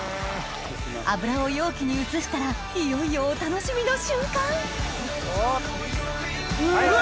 油を容器に移したらいよいよお楽しみの瞬間うわ！